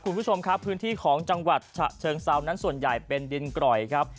คุณผู้ชมครับพื้นที่ของจังหวัดฉะเชิงเซานั้นส่วนใหญ่เป็นดินกร่อยครับ